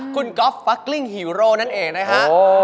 คุณก๊อฟฟักกลิ้งฮีโร่นั่นเองนะฮะ